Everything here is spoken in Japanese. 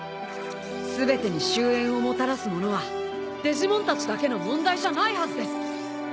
「全てに終焉をもたらす者」はデジモンたちだけの問題じゃないはずです！